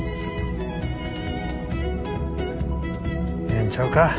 ええんちゃうか？